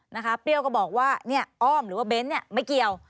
เปรี้ยวก็บอกว่าเนี่ยอ้อมหรือว่าเบ้นเนี่ยไม่เกี่ยว